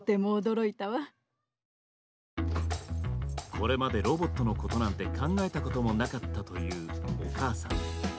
これまでロボットのことなんて考えたこともなかったというお母さん。